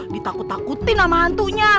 ditakut takutin sama hantunya